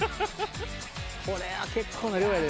これは結構な量やで。